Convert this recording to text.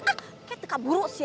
kayaknya tuh buruk sih